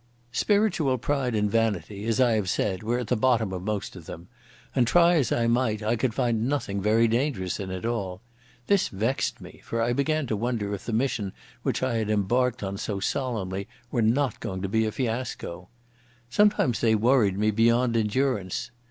Spiritual pride and vanity, as I have said, were at the bottom of most of them, and, try as I might, I could find nothing very dangerous in it all. This vexed me, for I began to wonder if the mission which I had embarked on so solemnly were not going to be a fiasco. Sometimes they worried me beyond endurance.